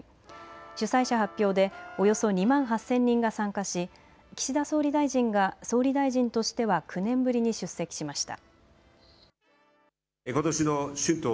主催者発表でおよそ２万８０００人が参加し岸田総理大臣が総理大臣としては９年ぶりに出席しました。